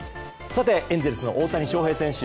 エンゼルスの大谷翔平選手。